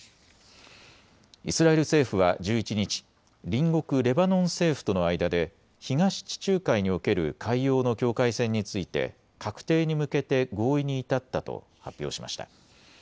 イスラエル政府は１１日、隣国レバノン政府との間で東地中海における海洋の境界線について画定に向けて合意に至ったと発表しました。